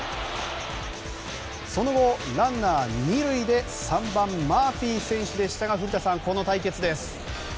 その後、ランナー２塁で３番、マーフィー選手でしたが古田さん、この対決です。